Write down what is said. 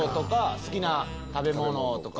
好きな食べ物とか。